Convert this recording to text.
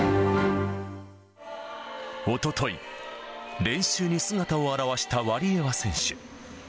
おととい、練習に姿を現したワリエワ選手。